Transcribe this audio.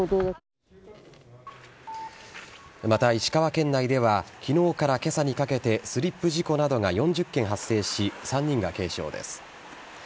また石川県内では、きのうからけさにかけてスリップ事故などが発生し、３人が軽傷です。